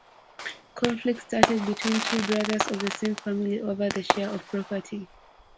Conflict started between two brothers of the same family over the share of property.